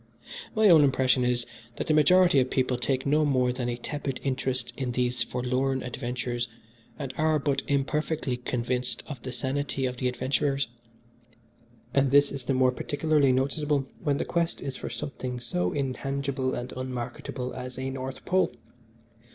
My own impression is, that the majority of people take no more than a tepid interest in these forlorn adventures, and are but imperfectly convinced of the sanity of the adventurers; and this is the more particularly noticeable when the quest is for something so intangible and unmarketable as a North Pole.